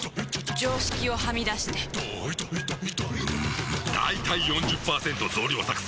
常識をはみ出してんだいたい ４０％ 増量作戦！